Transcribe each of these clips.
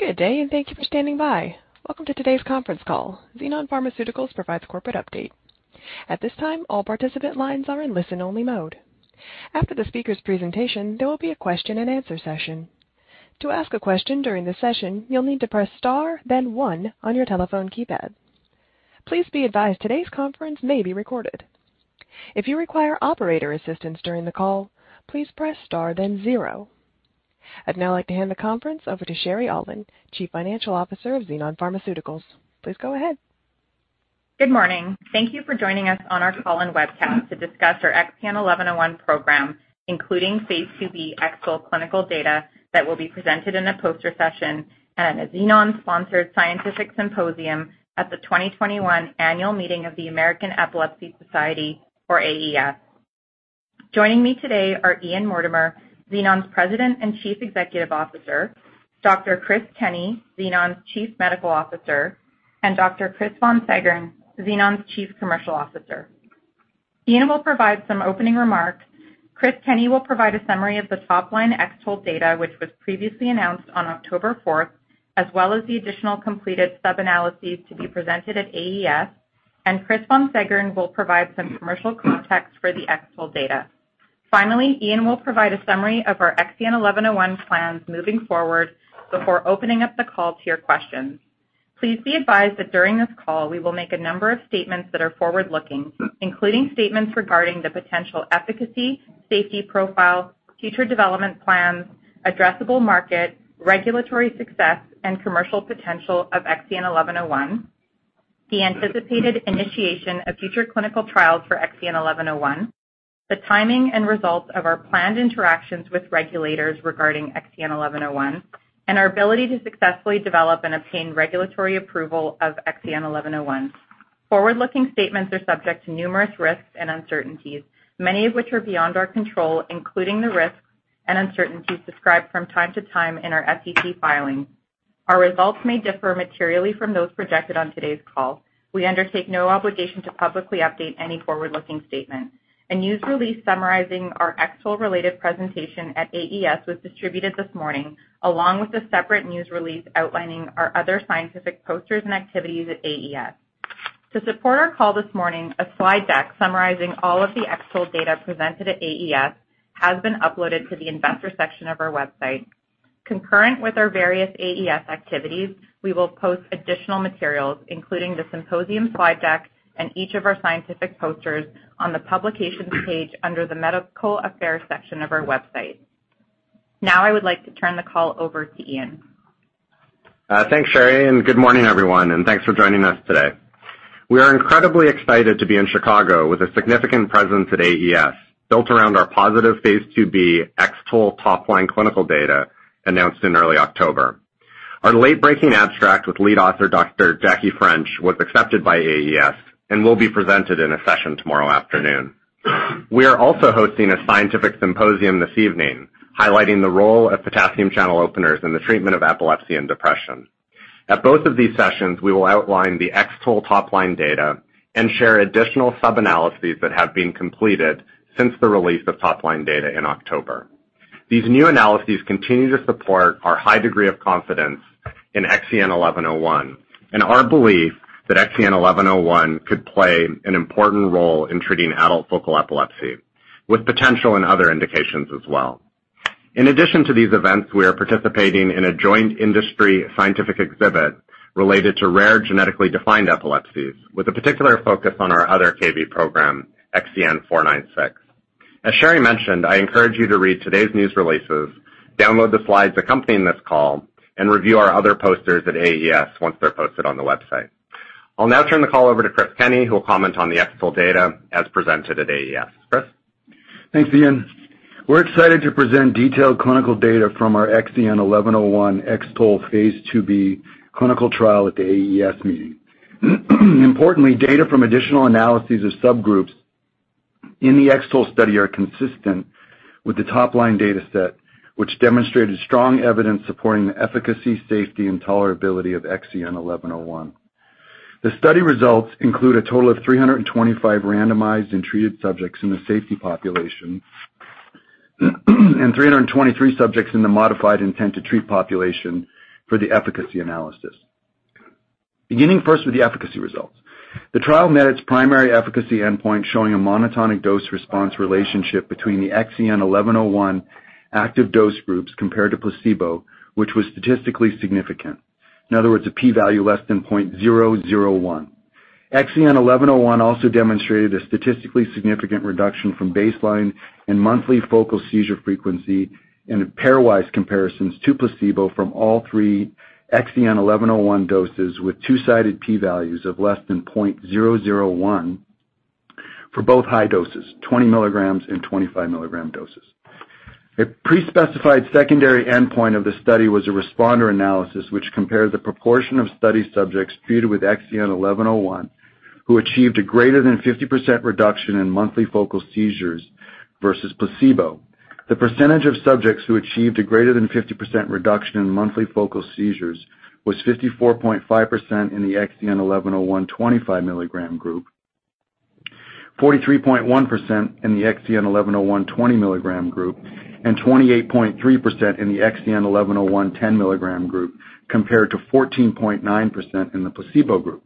Good day, and thank you for standing by. Welcome to today's conference call. Xenon Pharmaceuticals provides corporate update. At this time, all participant lines are in listen-only mode. After the speaker's presentation, there will be a question-and-answer session. To ask a question during the session, you'll need to press Star, then one on your telephone keypad. Please be advised today's conference may be recorded. If you require operator assistance during the call, please press Star, then zero. I'd now like to hand the conference over to Sherry Aulin, Chief Financial Officer of Xenon Pharmaceuticals. Please go ahead. Good morning. Thank you for joining us on our call and webcast to discuss our XEN 1101 program, including phase IIb X-TOLE clinical data that will be presented in a poster session at a Xenon-sponsored scientific symposium at the 2021 annual meeting of the American Epilepsy Society, or AES. Joining me today are Ian Mortimer, Xenon's President and Chief Executive Officer, Dr. Chris Kenney, Xenon's Chief Medical Officer, and Dr. Chris Von Seggern, Xenon's Chief Commercial Officer. Ian will provide some opening remarks. Chris Kenney will provide a summary of the top-line X-TOLE data which was previously announced on October 4th, as well as the additional completed sub-analyses to be presented at AES. Chris Von Seggern will provide some commercial context for the X-TOLE data. Finally, Ian will provide a summary of our XEN 1101 plans moving forward before opening up the call to your questions. Please be advised that during this call we will make a number of statements that are forward-looking, including statements regarding the potential efficacy, safety profile, future development plans, addressable market, regulatory success, and commercial potential of XEN 1101, the anticipated initiation of future clinical trials for XEN 1101, the timing and results of our planned interactions with regulators regarding XEN 1101, and our ability to successfully develop and obtain regulatory approval of XEN 1101. Forward-looking statements are subject to numerous risks and uncertainties, many of which are beyond our control, including the risks and uncertainties described from time to time in our SEC filings. Our results may differ materially from those projected on today's call. We undertake no obligation to publicly update any forward-looking statement. A news release summarizing our X-TOLE-related presentation at AES was distributed this morning, along with a separate news release outlining our other scientific posters and activities at AES. To support our call this morning, a slide deck summarizing all of the X-TOLE data presented at AES has been uploaded to the investor section of our website. Concurrent with our various AES activities, we will post additional materials, including the symposium slide deck and each of our scientific posters on the publications page under the medical affairs section of our website. Now, I would like to turn the call over to Ian. Thanks, Sherry, and good morning, everyone, and thanks for joining us today. We are incredibly excited to be in Chicago with a significant presence at AES, built around our positive phase IIb X-TOLE top-line clinical data announced in early October. Our late-breaking abstract with lead author Dr. Jacqueline French was accepted by AES and will be presented in a session tomorrow afternoon. We are also hosting a scientific symposium this evening highlighting the role of potassium channel openers in the treatment of epilepsy and depression. At both of these sessions, we will outline the X-TOLE top-line data and share additional sub-analyses that have been completed since the release of top-line data in October. These new analyses continue to support our high degree of confidence in XEN 1101 and our belief that XEN 1101 could play an important role in treating adult focal epilepsy, with potential in other indications as well. In addition to these events, we are participating in a joint industry scientific exhibit related to rare genetically defined epilepsies, with a particular focus on our other Kv7 program, XEN 496. As Sherry mentioned, I encourage you to read today's news releases, download the slides accompanying this call, and review our other posters at AES once they're posted on the website. I'll now turn the call over to Chris Kenney, who will comment on the X-TOLE data as presented at AES. Chris. Thanks, Ian. We're excited to present detailed clinical data from our XEN 1101 X-TOLE phase IIb clinical trial at the AES meeting. Importantly, data from additional analyses of subgroups in the X-TOLE study are consistent with the top-line data set, which demonstrated strong evidence supporting the efficacy, safety, and tolerability of XEN 1101. The study results include a total of 325 randomized and treated subjects in the safety population and 323 subjects in the modified intent to treat population for the efficacy analysis. Beginning first with the efficacy results. The trial met its primary efficacy endpoint, showing a monotonic dose response relationship between the XEN 1101 active dose groups compared to placebo, which was statistically significant. In other words, a P value less than 0.001. XEN 1101 also demonstrated a statistically significant reduction from baseline in monthly focal seizure frequency in pairwise comparisons to placebo from all three XEN 1101 doses with two-sided P values of less than 0.001 for both high doses, 20 mg and 25 mg doses. A pre-specified secondary endpoint of the study was a responder analysis, which compared the proportion of study subjects treated with XEN 1101 who achieved a greater than 50% reduction in monthly focal seizures versus placebo. The percentage of subjects who achieved a greater than 50% reduction in monthly focal seizures was 54.5% in the XEN 1101 25 mg group, 43.1% in the XEN 1101 20 mg group and 28.3% in the XEN 1101 10 mg group, compared to 14.9% in the placebo group.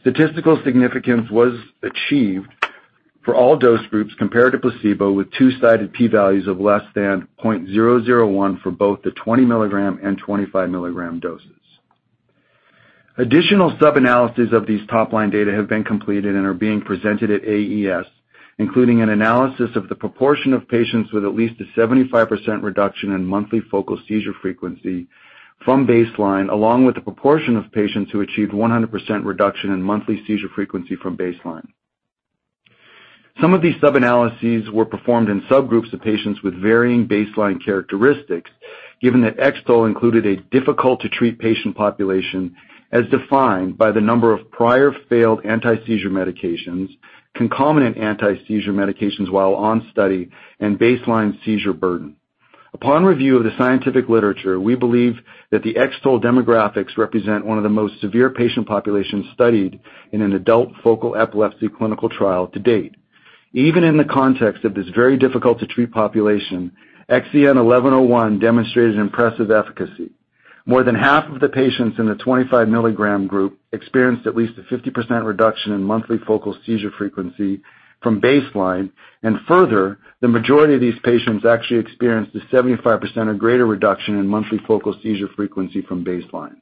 Statistical significance was achieved for all dose groups compared to placebo with two-sided P values of less than 0.001 for both the 20 mg and 25 mg doses. Additional sub-analysis of these top-line data have been completed and are being presented at AES, including an analysis of the proportion of patients with at least a 75% reduction in monthly focal seizure frequency from baseline, along with the proportion of patients who achieved 100% reduction in monthly seizure frequency from baseline. Some of these sub-analyses were performed in subgroups of patients with varying baseline characteristics, given that X-TOLE included a difficult to treat patient population, as defined by the number of prior failed anti-seizure medications, concomitant anti-seizure medications while on study, and baseline seizure burden. Upon review of the scientific literature, we believe that the X-TOLE demographics represent one of the most severe patient populations studied in an adult focal epilepsy clinical trial to date. Even in the context of this very difficult to treat population, XEN 1101 demonstrated impressive efficacy. More than half of the patients in the 25 milligram group experienced at least a 50% reduction in monthly focal seizure frequency from baseline, and further, the majority of these patients actually experienced a 75% or greater reduction in monthly focal seizure frequency from baseline.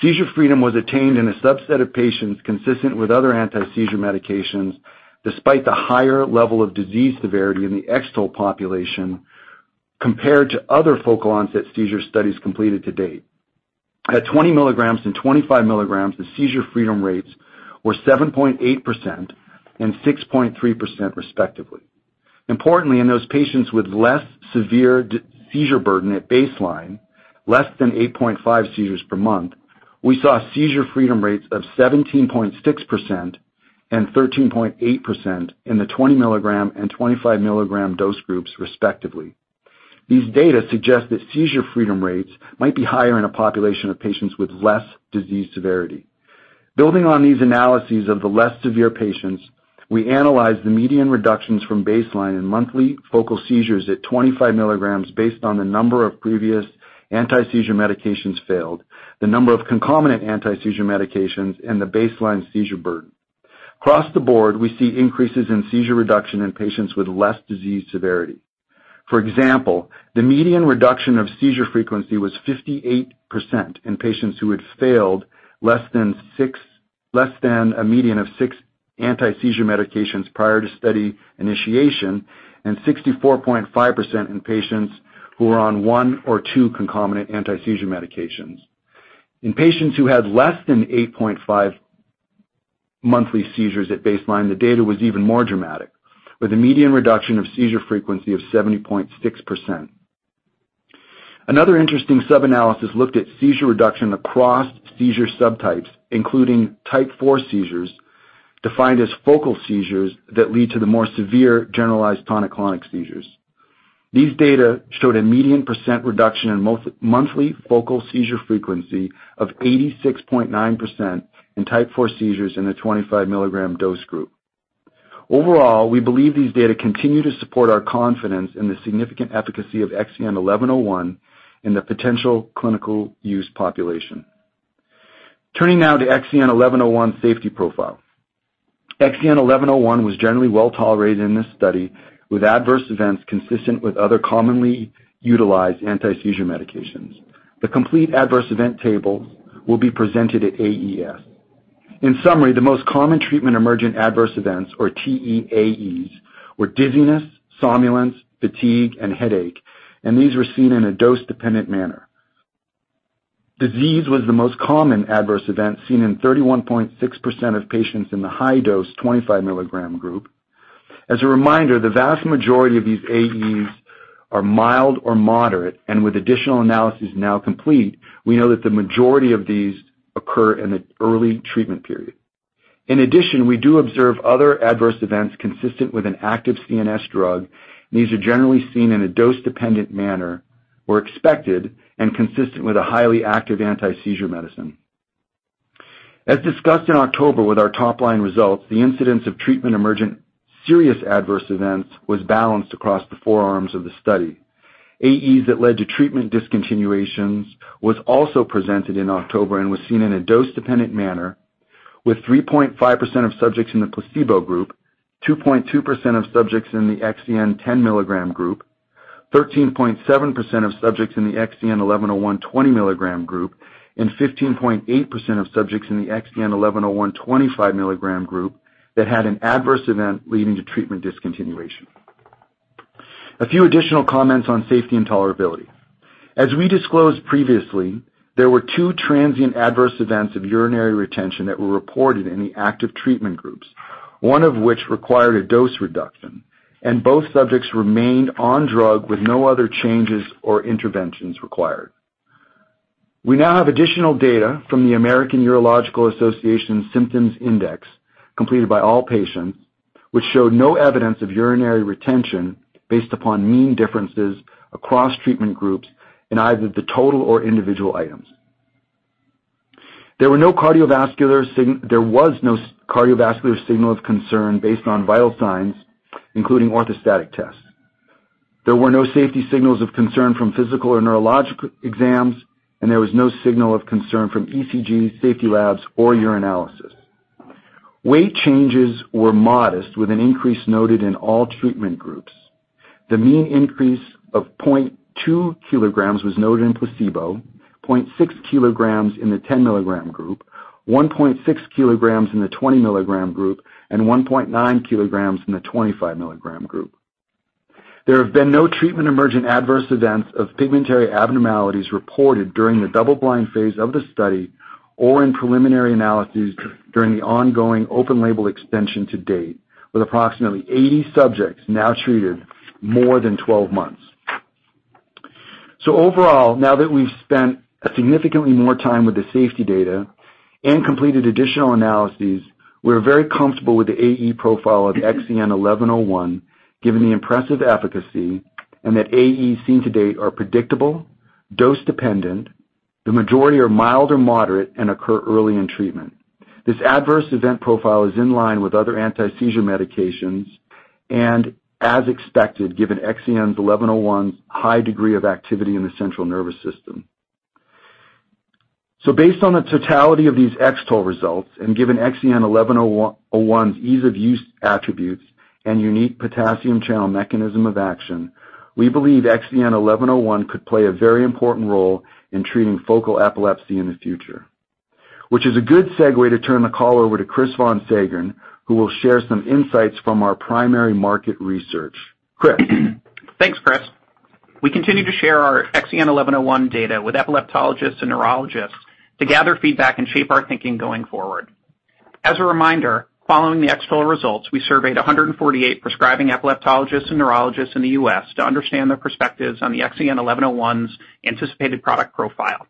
Seizure freedom was attained in a subset of patients consistent with other anti-seizure medications, despite the higher level of disease severity in the X-TOLE population compared to other focal onset seizure studies completed to date. At 20 mg and 25 mg, the seizure freedom rates were 7.8% and 6.3%, respectively. Importantly, in those patients with less severe seizure burden at baseline, less than 8.5 seizures per month, we saw seizure freedom rates of 17.6% and 13.8% in the 20 mg and 25 mg dose groups, respectively. These data suggest that seizure freedom rates might be higher in a population of patients with less disease severity. Building on these analyses of the less severe patients, we analyzed the median reductions from baseline in monthly focal seizures at 25 mg based on the number of previous anti-seizure medications failed, the number of concomitant anti-seizure medications, and the baseline seizure burden. Across the board, we see increases in seizure reduction in patients with less disease severity. For example, the median reduction of seizure frequency was 58% in patients who had failed less than a median of 6 anti-seizure medications prior to study initiation and 64.5% in patients who are on 1 or 2 concomitant anti-seizure medications. In patients who had less than 8.5 monthly seizures at baseline, the data was even more dramatic, with a median reduction of seizure frequency of 70.6%. Another interesting sub-analysis looked at seizure reduction across seizure subtypes, including Type 4 seizures, defined as focal seizures that lead to the more severe generalized tonic-clonic seizures. These data showed a median percent reduction in monthly focal seizure frequency of 86.9% in Type 4 seizures in the 25 mg dose group. Overall, we believe these data continue to support our confidence in the significant efficacy of XEN 1101 in the potential clinical use population. Turning now to XEN 1101 the safety profile. XEN 1101 was generally well tolerated in this study, with adverse events consistent with other commonly utilized anti-seizure medications. The complete adverse event table will be presented at AES. In summary, the most common treatment-emergent adverse events, or TEAEs, were dizziness, somnolence, fatigue, and headache, and these were seen in a dose-dependent manner. Dizziness was the most common adverse event seen in 31.6% of patients in the high-dose 25 mg group. As a reminder, the vast majority of these AEs are mild or moderate, and with additional analysis now complete, we know that the majority of these occur in the early treatment period. In addition, we do observe other adverse events consistent with an active CNS drug. These are generally seen in a dose-dependent manner, were expected, and consistent with a highly active anti-seizure medicine. As discussed in October with our top-line results, the incidence of treatment-emergent serious adverse events was balanced across the four arms of the study. AEs that led to treatment discontinuations was also presented in October and was seen in a dose-dependent manner, with 3.5% of subjects in the placebo group, 2.2% of subjects in the XEN 1101 10-mg group, 13.7% of subjects in the XEN 1101 20-mg group, and 15.8% of subjects in the XEN 1101 25-mg group that had an adverse event leading to treatment discontinuation. A few additional comments on safety and tolerability. As we disclosed previously, there were two transient adverse events of urinary retention that were reported in the active treatment groups, one of which required a dose reduction, and both subjects remained on drug with no other changes or interventions required. We now have additional data from the American Urological Association Symptom Index, completed by all patients, which show no evidence of urinary retention based upon mean differences across treatment groups in either the total or individual items. There was no cardiovascular signal of concern based on vital signs, including orthostatic tests. There were no safety signals of concern from physical or neurological exams, and there was no signal of concern from ECG safety labs or urinalysis. Weight changes were modest, with an increase noted in all treatment groups. The mean increase of 0.2 kg was noted in placebo, 0.6 kg in the 10-mg group, 1.6 kg in the 20-mg group, and 1.9 kg in the 25-mg group. There have been no treatment-emergent adverse events of pigmentary abnormalities reported during the double-blind phase of the study or in preliminary analyses during the ongoing open-label extension to date, with approximately 80 subjects now treated more than 12 months. Overall, now that we've spent a significantly more time with the safety data and completed additional analyses, we're very comfortable with the AE profile of XEN 1101, given the impressive efficacy and that AE seen to date are predictable, dose dependent, the majority are mild or moderate and occur early in treatment. This adverse event profile is in line with other anti-seizure medications and as expected, given XEN 1101's high degree of activity in the central nervous system. Based on the totality of these X-TOLE results and given XEN 1101's ease of use attributes and unique potassium channel mechanism of action, we believe XEN 1101 could play a very important role in treating focal epilepsy in the future. Which is a good segue to turn the call over to Chris Von Seggern, who will share some insights from our primary market research. Chris. Thanks, Chris. We continue to share our XEN1101 data with epileptologists and neurologists to gather feedback and shape our thinking going forward. As a reminder, following the X-TOLE results, we surveyed 148 prescribing epileptologists and neurologists in the U.S. to understand their perspectives on the XEN1101's anticipated product profile.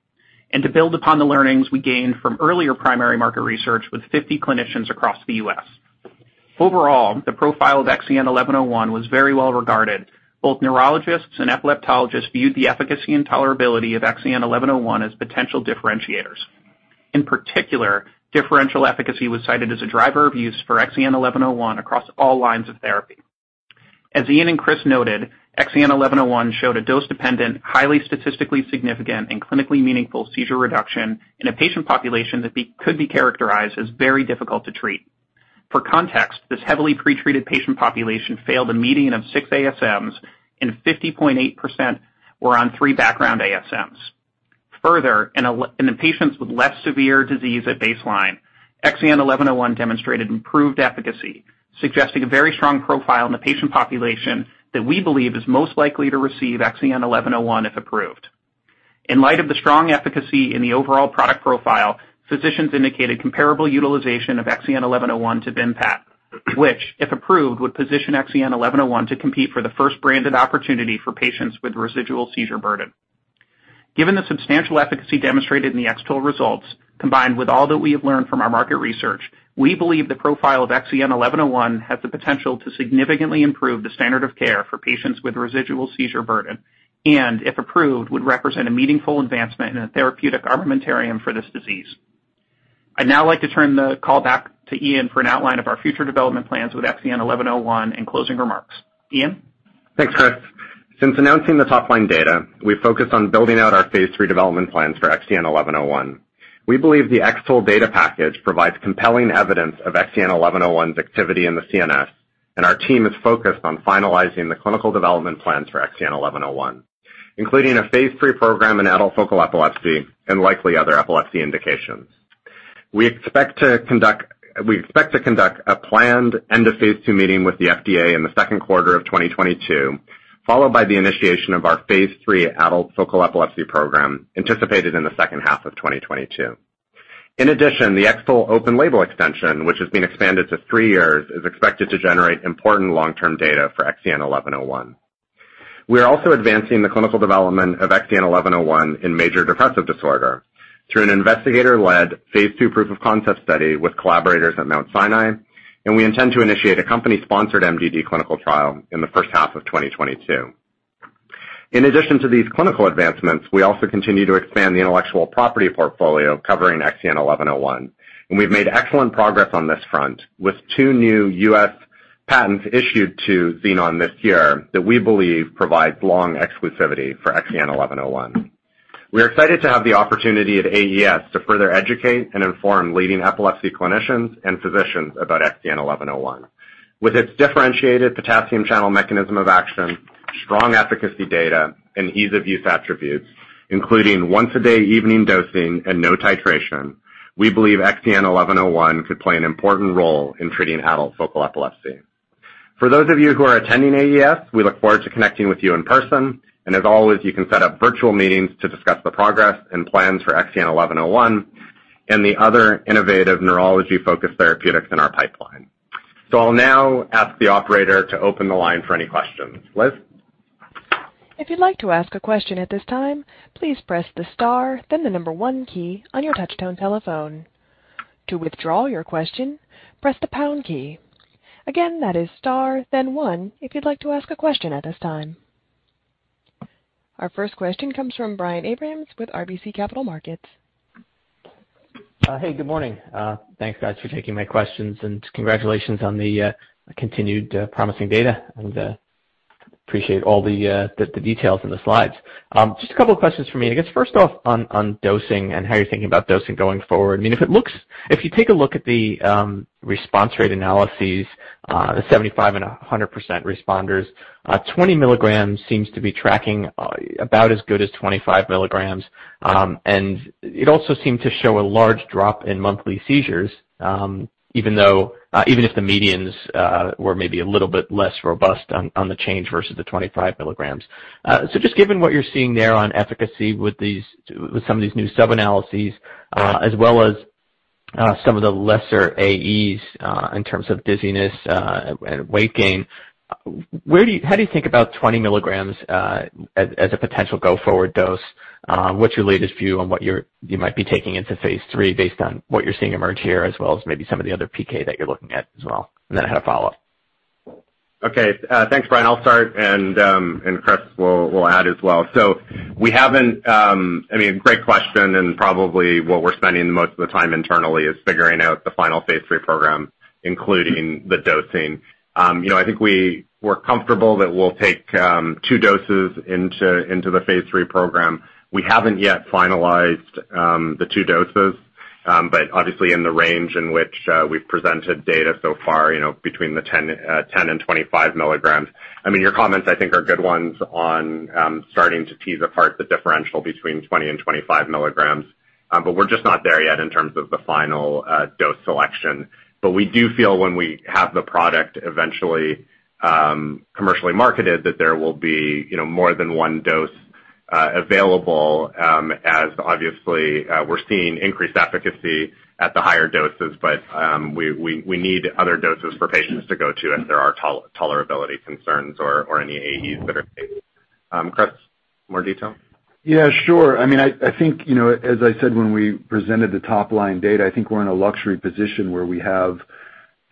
To build upon the learnings we gained from earlier primary market research with 50 clinicians across the U.S. Overall, the profile of XEN1101 was very well regarded. Both neurologists and epileptologists viewed the efficacy and tolerability of XEN1101 as potential differentiators. In particular, differential efficacy was cited as a driver of use for XEN1101 across all lines of therapy. As Ian and Chris noted, XEN1101 showed a dose dependent, highly statistically significant and clinically meaningful seizure reduction in a patient population that could be characterized as very difficult to treat. For context, this heavily pretreated patient population failed a median of 6 ASMs, and 50.8% were on 3 background ASMs. Further, in the patients with less severe disease at baseline, XEN1101 demonstrated improved efficacy, suggesting a very strong profile in the patient population that we believe is most likely to receive XEN1101 if approved. In light of the strong efficacy in the overall product profile, physicians indicated comparable utilization of XEN1101 to Vimpat, which, if approved, would position XEN1101 to compete for the first branded opportunity for patients with residual seizure burden. Given the substantial efficacy demonstrated in the X-TOLE results, combined with all that we have learned from our market research, we believe the profile of XEN1101 has the potential to significantly improve the standard of care for patients with residual seizure burden and, if approved, would represent a meaningful advancement in a therapeutic armamentarium for this disease. I'd now like to turn the call back to Ian for an outline of our future development plans with XEN1101 and closing remarks. Ian? Thanks, Chris. Since announcing the top line data, we've focused on building out our phase III development plans for XEN1101. We believe the X-TOLE data package provides compelling evidence of XEN1101's activity in the CNS, and our team is focused on finalizing the clinical development plans for XEN1101, including a phase III program in adult focal epilepsy and likely other epilepsy indications. We expect to conduct a planned end of phase II meeting with the FDA in the second quarter of 2022, followed by the initiation of our phase III adult focal epilepsy program anticipated in the second half of 2022. In addition, the X-TOLE open-label extension, which has been expanded to three years, is expected to generate important long-term data for XEN1101. We are also advancing the clinical development of XEN 1101 in major depressive disorder through an investigator-led phase II proof of concept study with collaborators at Mount Sinai, and we intend to initiate a company-sponsored MDD clinical trial in the first half of 2022. In addition to these clinical advancements, we also continue to expand the intellectual property portfolio covering XEN 1101. We've made excellent progress on this front with two new U.S. patents issued to Xenon this year that we believe provides long exclusivity for XEN 1101. We are excited to have the opportunity at AES to further educate and inform leading epilepsy clinicians and physicians about XEN 1101. With its differentiated potassium channel mechanism of action, strong efficacy data, and ease of use attributes, including once a day evening dosing and no titration, we believe XEN 1101 could play an important role in treating adult focal epilepsy. For those of you who are attending AES, we look forward to connecting with you in person. As always, you can set up virtual meetings to discuss the progress and plans for XEN1101 and the other innovative neurology-focused therapeutics in our pipeline. I'll now ask the operator to open the line for any questions. Liz? Our first question comes from Brian Abrahams with RBC Capital Markets. Hey, good morning. Thanks guys for taking my questions and congratulations on the continued promising data and appreciate all the details in the slides. Just a couple of questions for me. I guess first off on dosing and how you're thinking about dosing going forward. I mean, if you take a look at the response rate analyses, 75% and 100% responders, 20 milligrams seems to be tracking about as good as 25 milligrams, and it also seemed to show a large drop in monthly seizures, even though even if the medians were maybe a little bit less robust on the change versus the 25 milligrams. Just given what you're seeing there on efficacy with these, with some of these new sub-analyses, as well as some of the lesser AEs in terms of dizziness and weight gain, how do you think about 20 milligrams as a potential go forward dose? What's your latest view on what you might be taking into phase III based on what you're seeing emerge here, as well as maybe some of the other PK that you're looking at as well? I had a follow-up. Okay. Thanks, Brian. I'll start and Chris will add as well. We haven't. I mean, great question, and probably what we're spending the most of the time internally is figuring out the final phase III program, including the dosing. You know, I think we're comfortable that we'll take two doses into the phase III program. We haven't yet finalized the two doses, but obviously in the range in which we've presented data so far, between the 10 and 25 mg. I mean, your comments, I think, are good ones on starting to tease apart the differential between 20 and 25 mg. We're just not there yet in terms of the final dose selection. We do feel when we have the product eventually, commercially marketed, that there will be, you know, more than one dose, available, as obviously, we're seeing increased efficacy at the higher doses. We need other doses for patients to go to if there are tolerability concerns or any AEs that are. Chris, more detail? Yeah, sure. I mean, I think, as I said, when we presented the top line data, I think we're in a luxury position where we have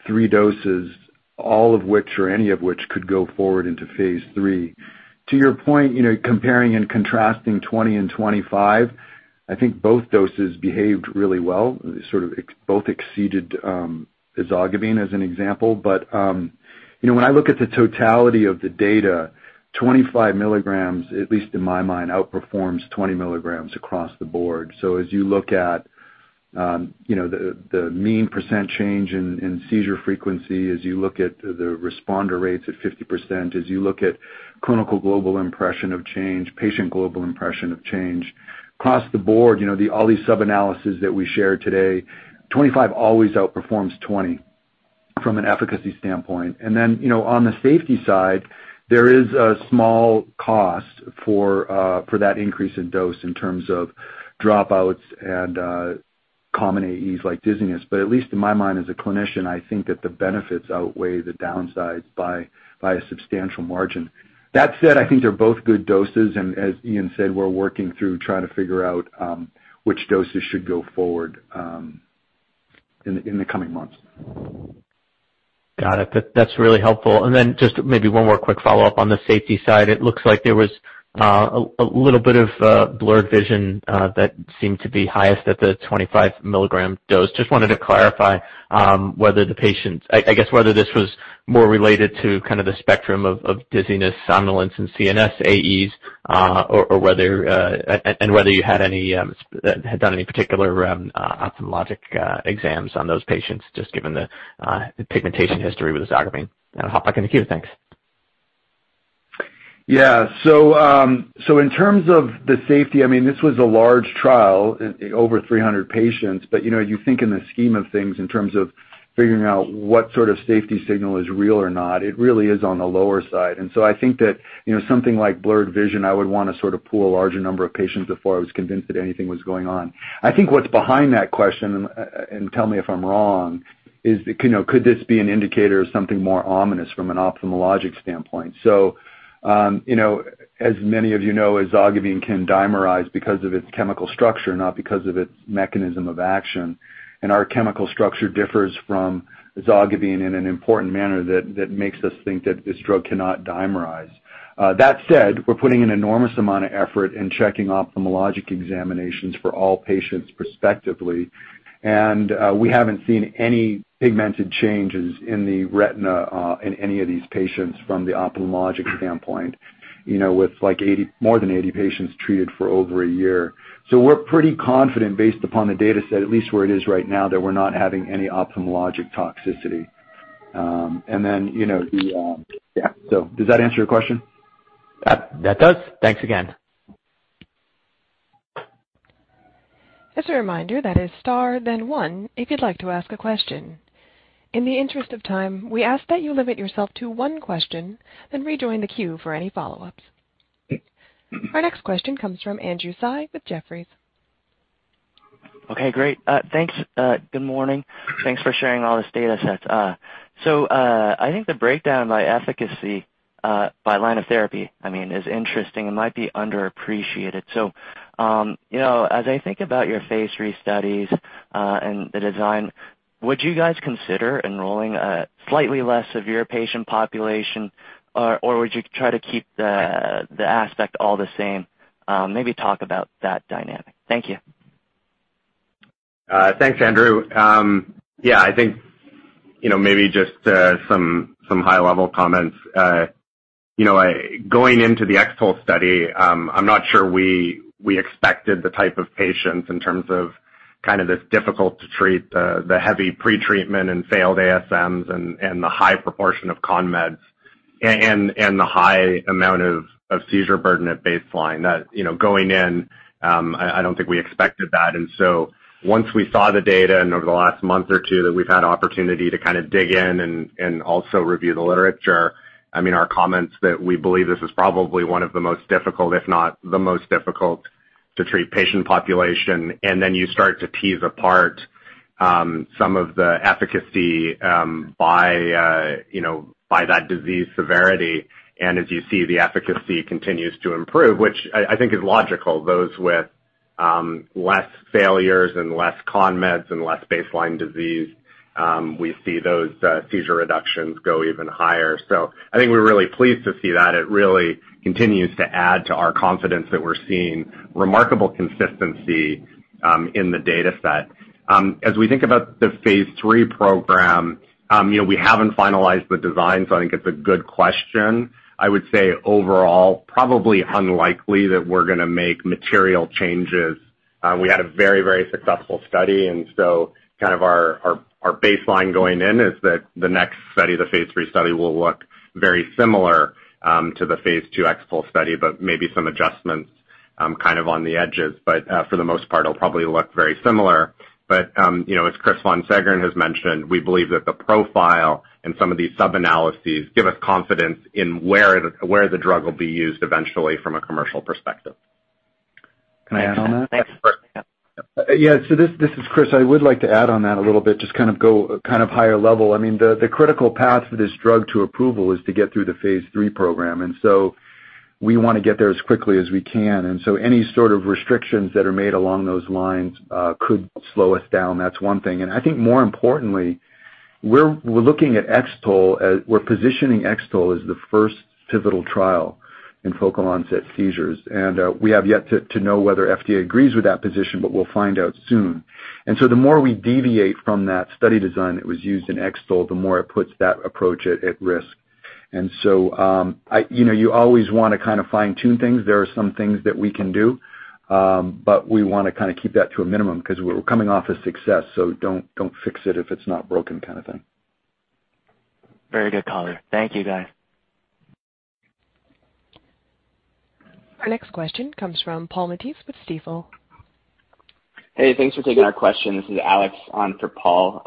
three doses, all of which or any of which could go forward into phase III. To your point, you know, comparing and contrasting 20 and 25, I think both doses behaved really well, both exceeded ezogabine as an example., but, you know, when I look at the totality of the data, 25 milligrams, at least in my mind, outperforms 20 milligrams across the board. So as you look at, you know, the mean percent change in seizure frequency, as you look at the responder rates at 50%, as you look at Clinical Global Impression of Change, Patient Global Impression of Change. Across the board, all these sub-analyses that we shared today, 25 always outperforms 20 from an efficacy standpoint. Then, you know, on the safety side, there is a small cost for that increase in dose in terms of dropouts and common AEs like dizziness. At least in my mind, as a clinician, I think that the benefits outweigh the downsides by a substantial margin. That said, I think they're both good doses, and as Ian said, we're working through trying to figure out which doses should go forward in the coming months. Got it. That's really helpful. Just maybe one more quick follow-up on the safety side. It looks like there was a little bit of blurred vision that seemed to be highest at the 25-milligram dose. Just wanted to clarify, I guess whether this was more related to kind of the spectrum of dizziness, somnolence, and CNS AEs, or whether you had done any particular ophthalmologic exams on those patients, just given the pigmentation history with ezogabine. I'll hop back in the queue. Thanks. In terms of the safety, I mean, this was a large trial, over 300 patients. You think in the scheme of things in terms of figuring out what sort of safety signal is real or not, it really is on the lower side. I think that, something like blurred vision, I would wanna sort of pool a larger number of patients before I was convinced that anything was going on. I think what's behind that question, and tell me if I'm wrong, could this be an indicator of something more ominous from an ophthalmologic standpoint? As many of you know, ezogabine can dimerize because of its chemical structure, not because of its mechanism of action. Our chemical structure differs from ezogabine in an important manner that makes us think that this drug cannot dimerize. That said, we're putting an enormous amount of effort in checking ophthalmologic examinations for all patients prospectively. We haven't seen any pigmented changes in the retina in any of these patients from the ophthalmologic standpoint, with like more than 80 patients treated for over a year. We're pretty confident based upon the data set, at least where it is right now, that we're not having any ophthalmologic toxicity. You know, yeah. Does that answer your question? That does. Thanks again. Just a reminder that is star then one, if you'd like to ask a question. In the interest of time, we ask that you limit yourself to one question, then rejoin the queue for any follow-ups. Our next question comes from Andrew Tsai with Jefferies. Okay, great. Thanks. Good morning. Thanks for sharing all this data sets. I think the breakdown by efficacy, by line of therapy, I mean, is interesting and might be underappreciated. As I think about your phase III studies, and the design, would you guys consider enrolling a slightly less severe patient population or would you try to keep the aspect all the same? Maybe talk about that dynamic. Thank you. Thanks, Andrew. Yeah, I think, you know, maybe just some high-level comments. You know, going into the X-TOLE study, I'm not sure we expected the type of patients in terms of kind of this difficult to treat, the heavy pretreatment and failed ASMs and the high proportion of con-meds and the high amount of seizure burden at baseline. That, you know, going in, I don't think we expected that. Once we saw the data and over the last month or two that we've had opportunity to kind of dig in and also review the literature, I mean, our comments that we believe this is probably one of the most difficult, if not the most difficult to treat patient population. Then you start to tease apart some of the efficacy by you know, by that disease severity. As you see, the efficacy continues to improve, which I think is logical. Those with less failures and less con-meds and less baseline disease, we see those seizure reductions go even higher. I think we're really pleased to see that. It really continues to add to our confidence that we're seeing remarkable consistency in the data set. As we think about the phase III program, we haven't finalized the design, so I think it's a good question. I would say overall probably unlikely that we're gonna make material changes. We had a very, very successful study, and so kind of our baseline going in is that the next study, the phase III study, will look very similar to the phase II X-TOLE study, but maybe some adjustments kind of on the edges. For the most part it'll probably look very similar. As Chris Von Seggern has mentioned, we believe that the profile and some of these sub-analyses give us confidence in where the drug will be used eventually from a commercial perspective. Can I add on that? Thanks. Yeah. This is Chris. I would like to add on that a little bit, just kind of go higher level. I mean, the critical path for this drug to approval is to get through the phase III program. We wanna get there as quickly as we can. Any sort of restrictions that are made along those lines could slow us down. That's one thing. I think more importantly, we're looking at X-TOLE as we're positioning X-TOLE as the first pivotal trial in focal onset seizures. We have yet to know whether FDA agrees with that position, but we'll find out soon. The more we deviate from that study design that was used in X-TOLE, the more it puts that approach at risk. I You always wanna kind of fine-tune things. There are some things that we can do, but we wanna kinda keep that to a minimum 'cause we're coming off a success, so don't fix it if it's not broken kind of thing. Very good color. Thank you, guys. Our next question comes from Paul Matteis with Stifel. Hey. Thanks for taking our question. This is Alex on for Paul.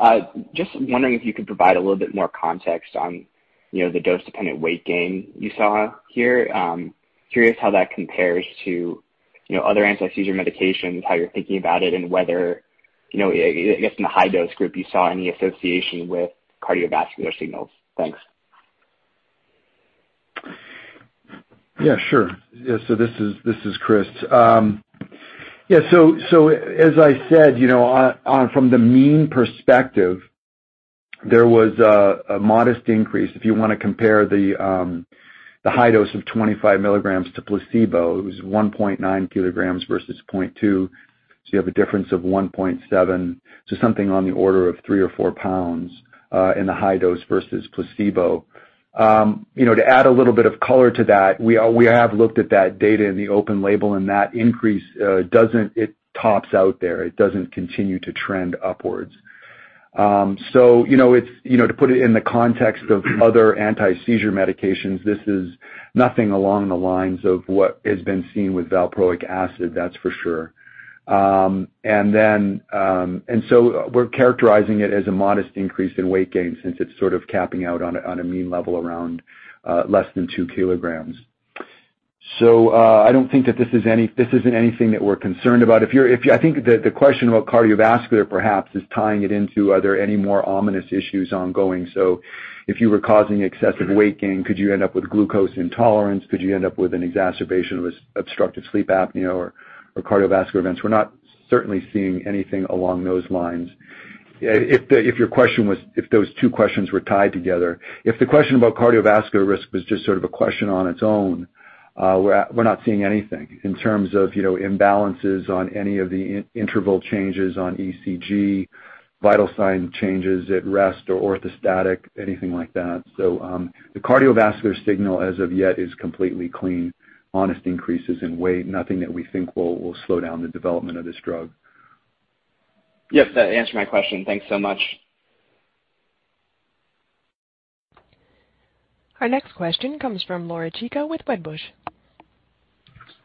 Just wondering if you could provide a little bit more context on, you know, the dose-dependent weight gain you saw here. Curious how that compares to, you know, other anti-seizure medications, how you're thinking about it, and whether, you know, I guess in the high-dose group you saw any association with cardiovascular signals. Thanks. Yeah, sure. Yeah, this is Chris. As I said, you know, on from the mean perspective, there was a modest increase. If you wanna compare the high dose of 25 milligrams to placebo, it was 1.9 kilograms versus 0.2. You have a difference of 1.7. Something on the order of 3 or 4 pounds in the high dose versus placebo. You know, to add a little bit of color to that, we have looked at that data in the open-label, and that increase doesn't. It tops out there. It doesn't continue to trend upwards. It's you know, to put it in the context of other anti-seizure medications, this is nothing along the lines of what has been seen with valproic acid, that's for sure. We're characterizing it as a modest increase in weight gain since it's sort of capping out on a mean level around less than two kilograms. I don't think that this is any—this isn't anything that we're concerned about. If you're I think the question about cardiovascular perhaps is tying it into are there any more ominous issues ongoing. If you were causing excessive weight gain, could you end up with glucose intolerance? Could you end up with an exacerbation of obstructive sleep apnea or cardiovascular events? We're not certainly seeing anything along those lines. If those two questions were tied together. If the question about cardiovascular risk was just sort of a question on its own, we're not seeing anything in terms of, you know, imbalances on any of the in-interval changes on ECG, vital sign changes at rest or orthostatic, anything like that. The cardiovascular signal as of yet is completely clean. Modest increases in weight, nothing that we think will slow down the development of this drug. Yep. That answered my question. Thanks so much. Our next question comes from Laura Chico with Wedbush Securities.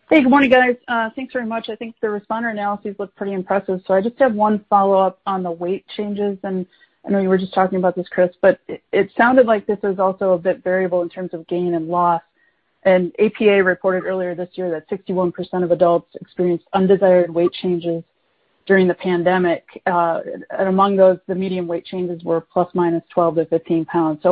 Hey. Good morning, guys. Thanks very much. I think the responder analyses look pretty impressive. I just have one follow-up on the weight changes. I know you were just talking about this, Chris, but it sounded like this was also a bit variable in terms of gain and loss. APA reported earlier this year that 61% of adults experienced undesired weight changes during the pandemic. Among those, the median weight changes were ±12-15 pounds.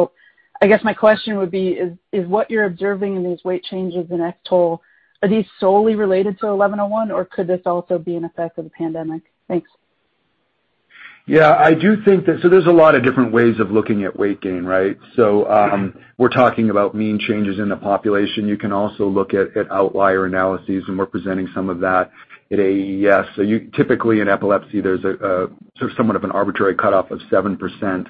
I guess my question would be is what you're observing in these weight changes in X-TOLE, are these solely related to 1101, or could this also be an effect of the pandemic? Thanks. Yeah, I do think that. There's a lot of different ways of looking at weight gain, right? We're talking about mean changes in the population. You can also look at outlier analyses, and we're presenting some of that at AES. Typically in epilepsy, there's a sort of somewhat of an arbitrary cutoff of 7%,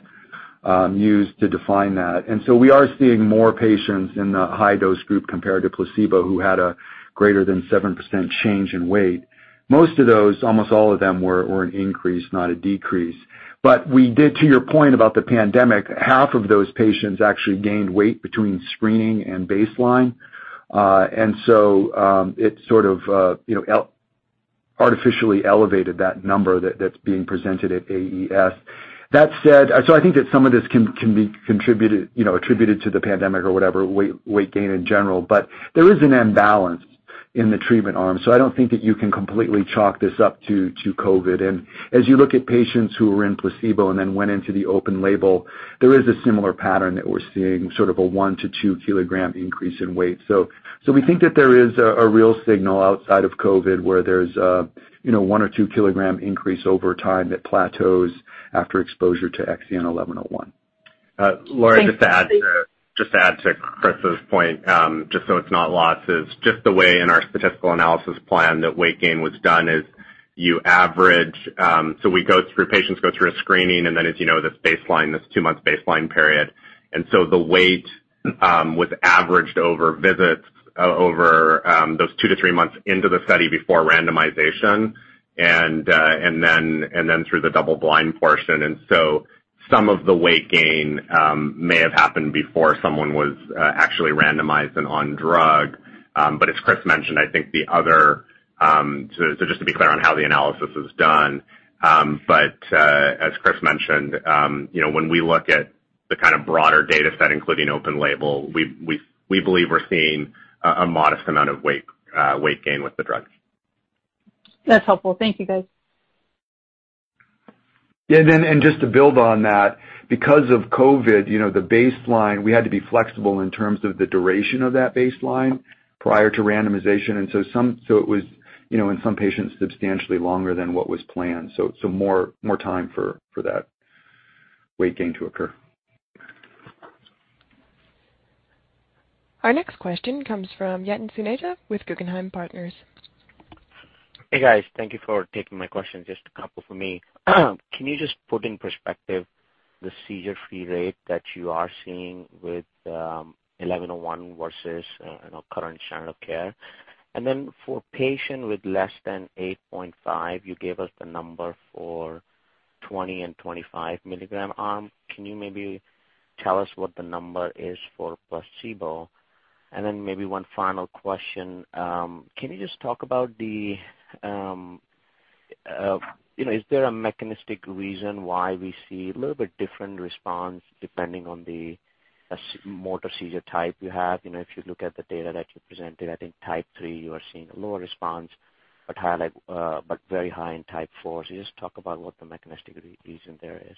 used to define that. We are seeing more patients in the high-dose group compared to placebo who had a greater than 7% change in weight. Most of those, almost all of them were an increase, not a decrease. We did, to your point about the pandemic, half of those patients actually gained weight between screening and baseline. It sort of you know artificially elevated that number that's being presented at AES. That said, I think that some of this can be contributed, you know, attributed to the pandemic or whatever weight gain in general. There is an imbalance in the treatment arm, so I don't think that you can completely chalk this up to COVID. As you look at patients who were in placebo and then went into the open-label, there is a similar pattern that we're seeing sort of a 1-2 kg increase in weight. We think that there is a real signal outside of COVID where there's, 1 or 2 kg increase over time that plateaus after exposure to XEN 1101. Laura, just to add to Chris's point, just so it's not lost, is just the way in our statistical analysis plan that weight gain was done is you average. Patients go through a screening, and then as you know, this 2-month baseline period. The weight was averaged over visits over those 2 to 3 months into the study before randomization, and then through the double-blind portion. Some of the weight gain may have happened before someone was actually randomized and on drug. As Chris mentioned, I think the other. Just to be clear on how the analysis is done. As Chris mentioned, when we look at the kind of broader data set including open label, we believe we're seeing a modest amount of weight gain with the drug. That's helpful. Thank you, guys. Just to build on that, because of COVID, you know, the baseline, we had to be flexible in terms of the duration of that baseline prior to randomization. It was, you know, in some patients, substantially longer than what was planned. More time for that weight gain to occur. Our next question comes from Yatin Suneja with Guggenheim Partners. Hey, guys. Thank you for taking my question. Just a couple for me. Can you just put in perspective the seizure-free rate that you are seeing with XEN1101 versus, you know, current standard of care? For patient with less than 8.5, you gave us the number for 20- and 25-mg arm. Can you maybe tell us what the number is for placebo? Maybe one final question. Can you just talk about, you know, is there a mechanistic reason why we see a little bit different response depending on the motor seizure type you have? If you look at the data that you presented, I think type 3 you are seeing a lower response, but very high in type 4. Just talk about what the mechanistic reason there is.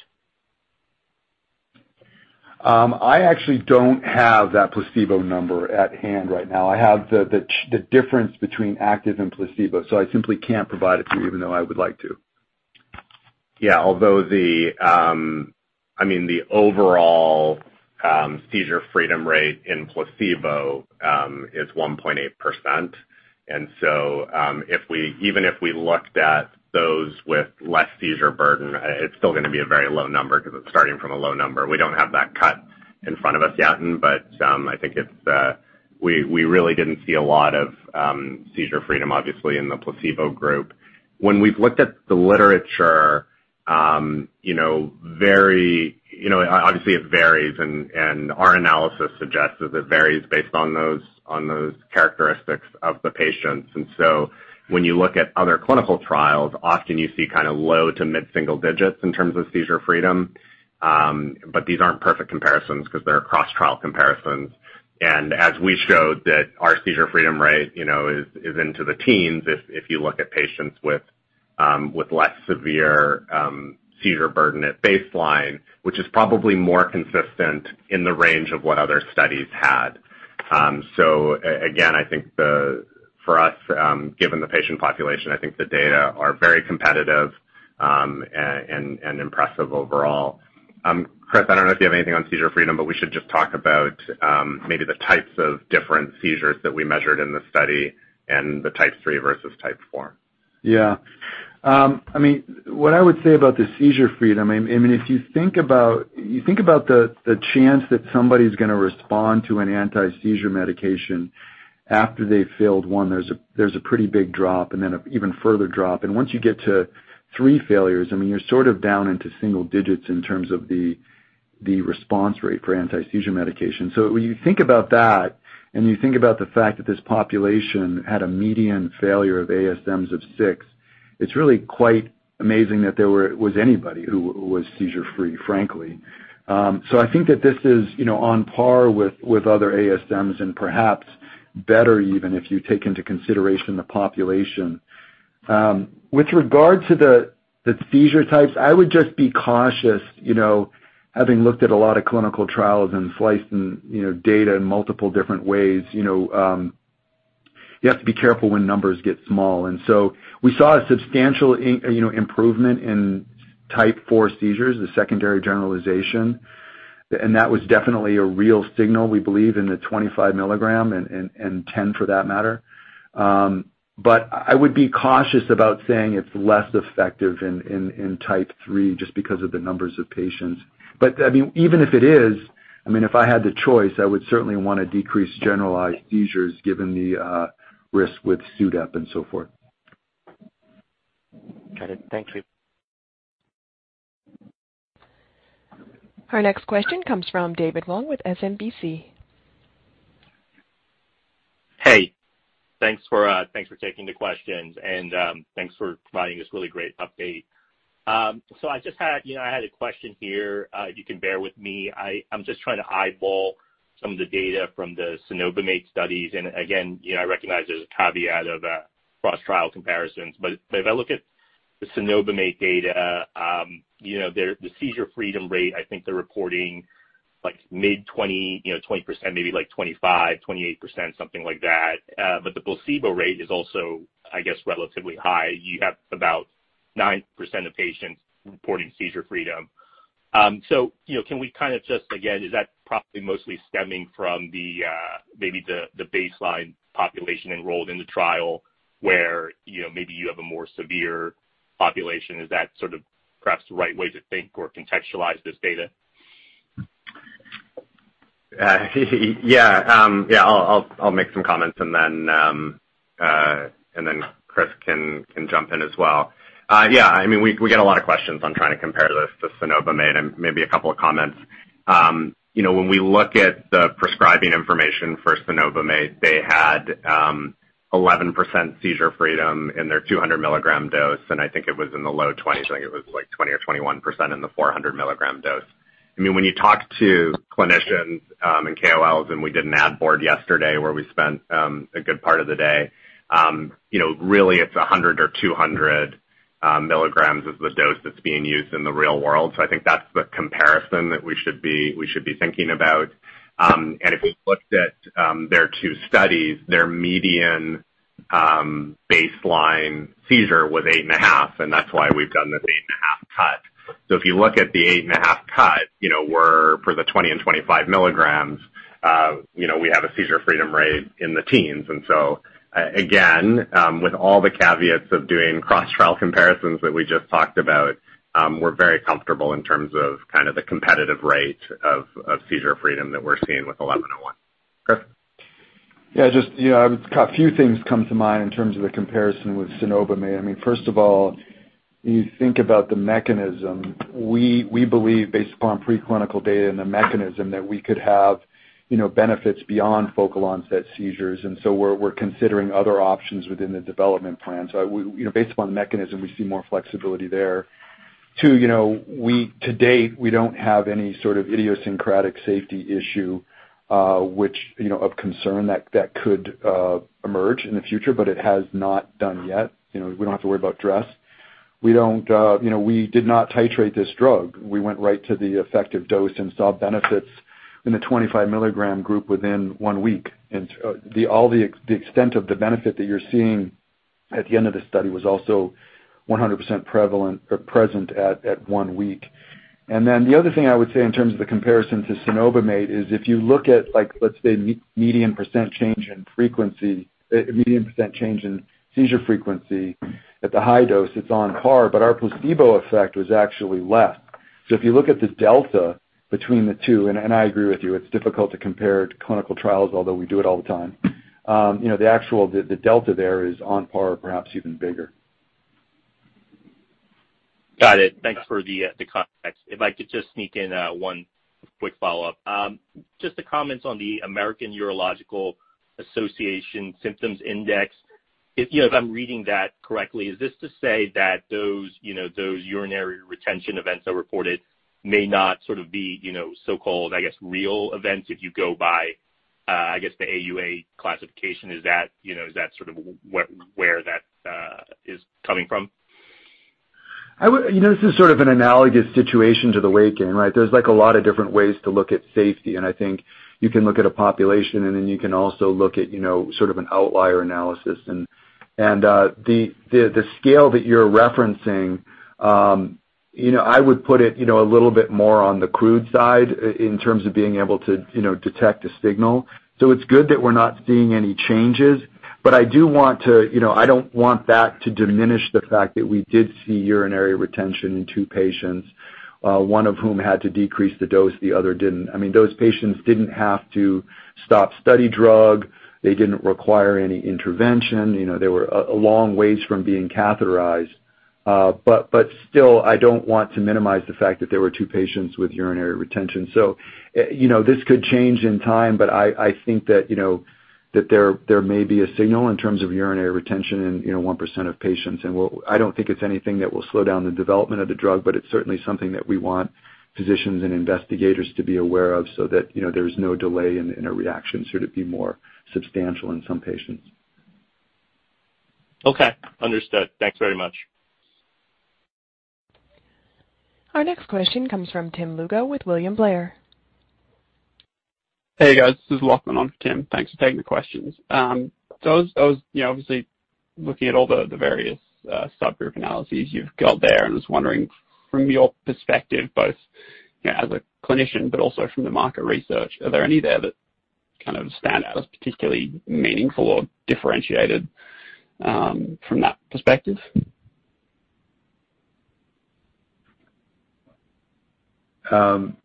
I actually don't have that placebo number at hand right now. I have the difference between active and placebo, so I simply can't provide it to you even though I would like to. Yeah. Although the, I mean, the overall seizure freedom rate in placebo is 1.8%. Even if we looked at those with less seizure burden, it's still gonna be a very low number 'cause it's starting from a low number. We don't have that cut in front of us, Yatin, but I think it's, we really didn't see a lot of seizure freedom obviously in the placebo group. When we've looked at the literature, very, you know, obviously it varies and our analysis suggests that it varies based on those characteristics of the patients. When you look at other clinical trials, often you see kind of low to mid single digits in terms of seizure freedom. But these aren't perfect comparisons 'cause they're cross trial comparisons. As we showed that our seizure freedom rate, you know, is into the teens if you look at patients with less severe seizure burden at baseline, which is probably more consistent in the range of what other studies had. Again, I think, for us, given the patient population, I think the data are very competitive, and impressive overall. Chris, I don't know if you have anything on seizure freedom, but we should just talk about maybe the types of different seizures that we measured in the study and the type three versus type four. Yeah. I mean, what I would say about the seizure freedom, I mean, if you think about the chance that somebody's gonna respond to an anti-seizure medication after they've failed one, there's a pretty big drop and then an even further drop. Once you get to 3 failures, I mean, you're sort of down into single digits in terms of the response rate for anti-seizure medication. When you think about that and you think about the fact that this population had a median failure of ASMs of 6, it's really quite amazing that there was anybody who was seizure-free, frankly. I think that this is, you know, on par with other ASMs and perhaps better even if you take into consideration the population. With regard to the seizure types, I would just be cautious, you know, having looked at a lot of clinical trials and slicing, data in multiple different ways, you know. You have to be careful when numbers get small. We saw a substantial improvement in type 4 seizures, the secondary generalization. That was definitely a real signal, we believe, in the 25 mg and 10 mg for that matter. I would be cautious about saying it's less effective in type 3 just because of the numbers of patients. I mean, even if it is, I mean, if I had the choice, I would certainly wanna decrease generalized seizures given the risk with SUDEP and so forth. Got it. Thanks. Our next question comes from David Wong with SMBC Securities. Hey, thanks for taking the questions, and thanks for providing this really great update. I just had, you know, I had a question here. If you can bear with me. I'm just trying to eyeball some of the data from the cenobamate studies. Again, you know, I recognize there's a caveat of cross-trial comparisons. If I look at the cenobamate data, you know, the seizure freedom rate, I think they're reporting like mid-20, you know, 20%, maybe like 25-28%, something like that. The placebo rate is also, I guess, relatively high. You have about 9% of patients reporting seizure freedom. you know, can we kind of just, again, is that probably mostly stemming from maybe the baseline population enrolled in the trial where, you know, maybe you have a more severe population? Is that sort of perhaps the right way to think or contextualize this data? Yeah. Yeah, I'll make some comments and then Chris can jump in as well. Yeah, I mean, we get a lot of questions on trying to compare this to cenobamate and maybe a couple of comments. You know, when we look at the prescribing information for cenobamate, they had 11% seizure freedom in their 200 mg dose, and I think it was in the low 20s. I think it was like 20 or 21% in the 400 mg dose. I mean, when you talk to clinicians and KOLs, and we did an ad board yesterday where we spent a good part of the day, really it's 100 or 200 mg is the dose that's being used in the real world. I think that's the comparison that we should be thinking about. If we looked at their two studies, their median baseline seizure was 8.5, and that's why we've done this 8.5 cut. If you look at the 8.5 cut, you know, we have for the 20 and 25 mg, we have a seizure freedom rate in the teens. Again, with all the caveats of doing cross-trial comparisons that we just talked about, we're very comfortable in terms of kind of the competitive rate of seizure freedom that we're seeing with 1101. Chris. Yeah, just, you know, a few things come to mind in terms of the comparison with cenobamate. I mean, first of all, you think about the mechanism. We believe based upon preclinical data and the mechanism that we could have, you know, benefits beyond focal-onset seizures, and so we're considering other options within the development plan. You know, based upon the mechanism, we see more flexibility there. Two, you know, to date, we don't have any sort of idiosyncratic safety issue, which, you know, of concern that that could emerge in the future, but it has not done yet. You know, we don't have to worry about DRESS. We don't, you know, we did not titrate this drug. We went right to the effective dose and saw benefits in the 25-milligram group within one week. The extent of the benefit that you're seeing at the end of the study was also 100% prevalent or present at one week. The other thing I would say in terms of the comparison to cenobamate is if you look at, like, let's say, median % change in frequency, median % change in seizure frequency at the high dose, it's on par, but our placebo effect was actually less. If you look at the delta between the two, and I agree with you, it's difficult to compare clinical trials, although we do it all the time. You know, the delta there is on par or perhaps even bigger. Got it. Thanks for the context. If I could just sneak in one quick follow-up. Just the comments on the American Urological Association Symptom Index. If you know, if I'm reading that correctly, is this to say that those you know, those urinary retention events that were reported may not sort of be you know, so-called, I guess, real events if you go by I guess the AUA classification? Is that you know, sort of where that is coming from? This is sort of an analogous situation to the waking, right? There's like a lot of different ways to look at safety, and I think you can look at a population, and then you can also look at, you know, sort of an outlier analysis. The scale that you're referencing, you know, I would put it, a little bit more on the crude side in terms of being able to, you know, detect a signal. It's good that we're not seeing any changes, but I do want to, you know, I don't want that to diminish the fact that we did see urinary retention in two patients, one of whom had to decrease the dose, the other didn't. I mean, those patients didn't have to stop study drug. They didn't require any intervention. They were a long ways from being catheterized. Still, I don't want to minimize the fact that there were two patients with urinary retention. You know, this could change in time, but I think that you know, that there may be a signal in terms of urinary retention in you know, 1% of patients. I don't think it's anything that will slow down the development of the drug, but it's certainly something that we want physicians and investigators to be aware of so that you know, there's no delay in a reaction should it be more substantial in some patients. Okay. Understood. Thanks very much. Our next question comes from Tim Lugo with William Blair. Hey, guys. This is Lachlan on for Tim. Thanks for taking the questions. I was, you know, obviously looking at all the various subgroup analyses you've got there and was wondering from your perspective, both, as a clinician, but also from the market research, are there any there that kind of stand out as particularly meaningful or differentiated from that perspective? Um.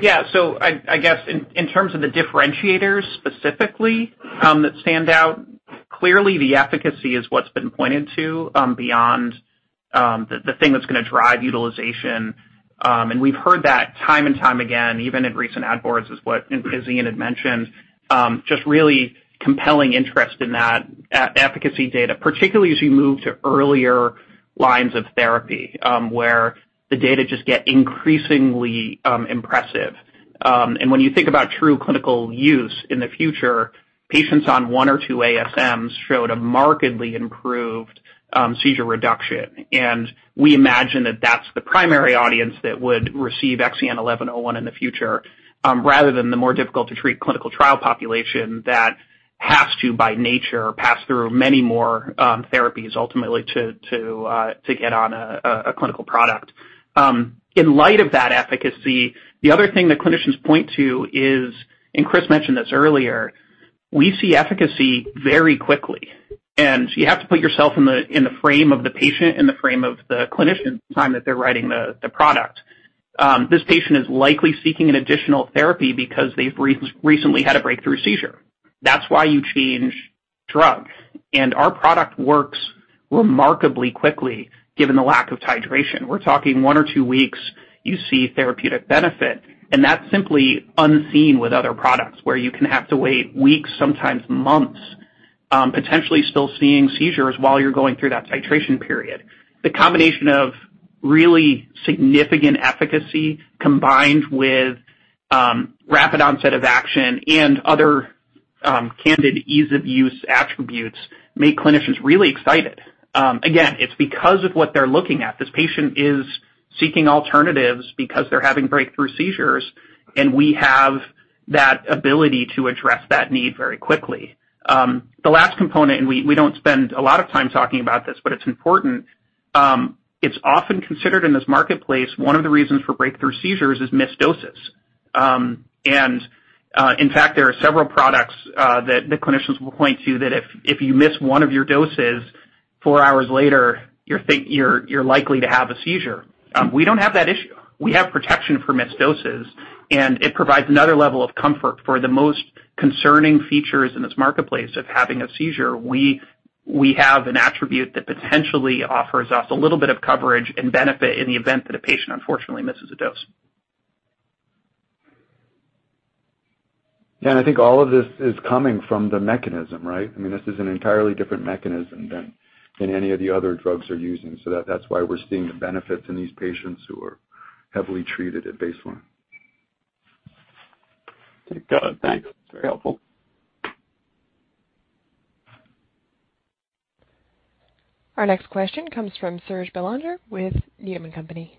Yeah. I guess in terms of the differentiators specifically that stand out, clearly the efficacy is what's been pointed to beyond the thing that's gonna drive utilization. We've heard that time and time again, even in recent ad boards, as Chris and Ian had mentioned, just really compelling interest in that efficacy data, particularly as you move to earlier lines of therapy where the data just get increasingly impressive. When you think about true clinical use in the future, patients on one or two ASMs showed a markedly improved seizure reduction. We imagine that that's the primary audience that would receive XEN 1101 in the future, rather than the more difficult to treat clinical trial population that has to, by nature, pass through many more therapies ultimately to get on a clinical product. In light of that efficacy, the other thing that clinicians point to is, and Chris mentioned this earlier, we see efficacy very quickly. You have to put yourself in the frame of the patient and the frame of the clinician the time that they're writing the product. This patient is likely seeking an additional therapy because they've recently had a breakthrough seizure. That's why you change drug. Our product works remarkably quickly given the lack of titration. We're talking 1 or 2 weeks, you see therapeutic benefit, and that's simply unseen with other products where you can have to wait weeks, sometimes months, potentially still seeing seizures while you're going through that titration period. The combination of really significant efficacy combined with rapid onset of action and other candid ease of use attributes make clinicians really excited. Again, it's because of what they're looking at. This patient is seeking alternatives because they're having breakthrough seizures, and we have that ability to address that need very quickly. The last component, and we don't spend a lot of time talking about this, but it's important. It's often considered in this marketplace, one of the reasons for breakthrough seizures is missed doses. In fact, there are several products that the clinicians will point to that if you miss one of your doses, four hours later you're likely to have a seizure. We don't have that issue. We have protection for missed doses, and it provides another level of comfort for the most concerning features in this marketplace of having a seizure. We have an attribute that potentially offers us a little bit of coverage and benefit in the event that a patient unfortunately misses a dose. I think all of this is coming from the mechanism, right? I mean, this is an entirely different mechanism than any of the other drugs are using. That's why we're seeing the benefits in these patients who are heavily treated at baseline. Got it. Thanks. That's very helpful. Our next question comes from Serge Belanger with Needham & Company.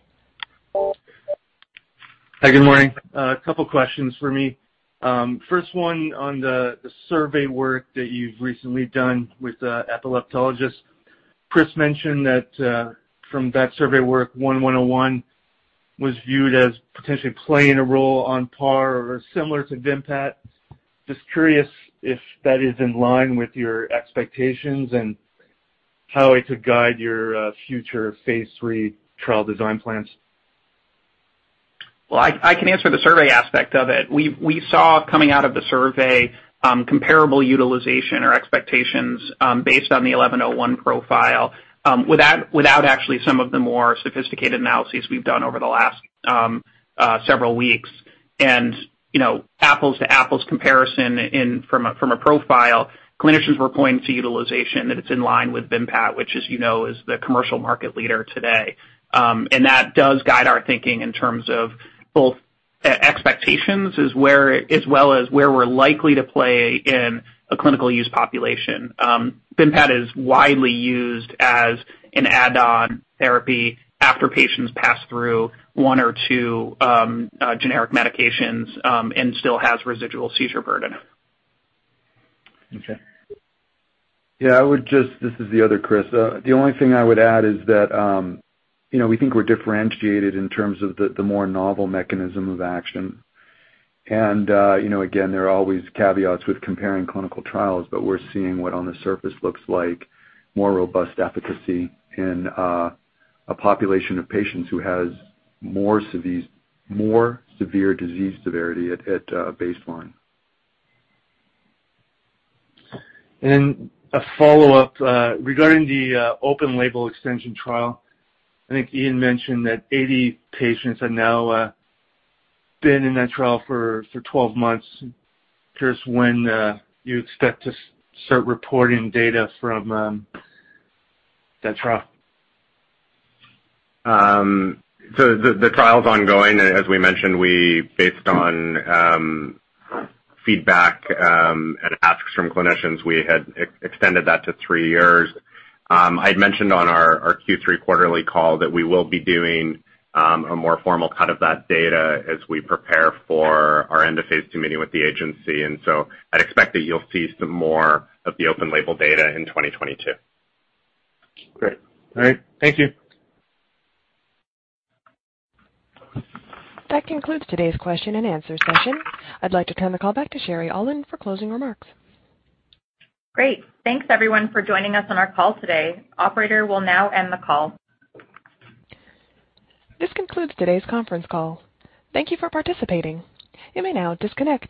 Hi, good morning. A couple questions for me. First one on the survey work that you've recently done with epileptologists. Chris mentioned that from that survey work, XEN 1101 was viewed as potentially playing a role on par or similar to Vimpat. Just curious if that is in line with your expectations and how it could guide your future phase III trial design plans. Well, I can answer the survey aspect of it. We saw coming out of the survey, comparable utilization or expectations, based on the 1101 profile, without actually some of the more sophisticated analyses we've done over the last, several weeks. You know, apples to apples comparison from a profile, clinicians were pointing to utilization that it's in line with Vimpat, which as you know, is the commercial market leader today. That does guide our thinking in terms of both expectations as well as where we're likely to play in a clinical use population. Vimpat is widely used as an add-on therapy after patients pass through one or two, generic medications, and still has residual seizure burden. Okay. This is the other Chris. The only thing I would add is that, you know, we think we're differentiated in terms of the more novel mechanism of action. You know, again, there are always caveats with comparing clinical trials, but we're seeing what on the surface looks like more robust efficacy in a population of patients who has more severe disease severity at baseline. A follow-up regarding the open-label extension trial. I think Ian mentioned that 80 patients have now been in that trial for 12 months. Curious when you expect to start reporting data from that trial. The trial's ongoing. As we mentioned, we, based on feedback and asks from clinicians, had extended that to three years. I'd mentioned on our Q3 quarterly call that we will be doing a more formal cut of that data as we prepare for our end of phase II meeting with the agency. I'd expect that you'll see some more of the open-label data in 2022. Great. All right. Thank you. That concludes today's question and answer session. I'd like to turn the call back to Sherry Aulin for closing remarks. Great. Thanks everyone for joining us on our call today. Operator will now end the call. This concludes today's conference call. Thank you for participating. You may now disconnect.